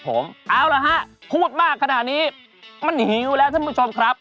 ตามแอฟผู้ชมห้องน้ำด้านนอกกันเลยดีกว่าครับ